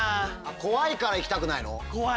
怖いから行きたくないの？